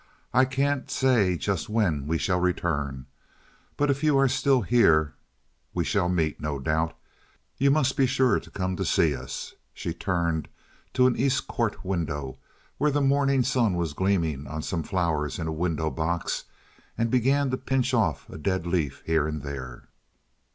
"I can't say just when we shall return, but if you are still here we shall meet, no doubt. You must be sure and come to see us." She turned to an east court window, where the morning sun was gleaming on some flowers in a window box, and began to pinch off a dead leaf here and there.